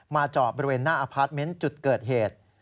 จอดบริเวณหน้าอพาร์ทเมนต์จุดเกิดเหตุ